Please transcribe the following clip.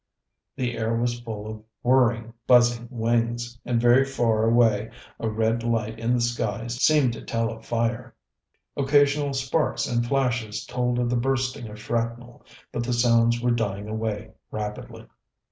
The air was full of whirring, buzzing wings, and very far away a red light in the sky seemed to tell of fire. Occasional sparks and flashes told of the bursting of shrapnel, but the sounds were dying away rapidly.